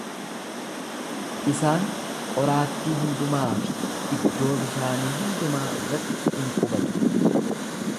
Isaan qoraattii hundumaa fi iddoo bishaanii hundumaa irratti in qubatu.